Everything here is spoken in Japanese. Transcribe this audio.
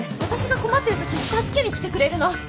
私が困ってる時に助けに来てくれるの。